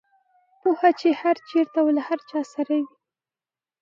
پوهه چې هر چېرته او له هر چا سره وي.